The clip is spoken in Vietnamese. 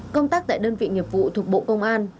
công tác tại đơn vị nghiệp vụ thuộc bộ công an